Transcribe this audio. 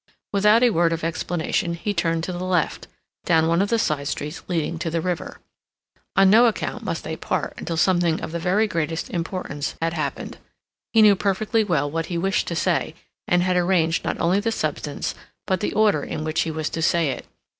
Without a word of explanation he turned to the left, down one of the side streets leading to the river. On no account must they part until something of the very greatest importance had happened. He knew perfectly well what he wished to say, and had arranged not only the substance, but the order in which he was to say it.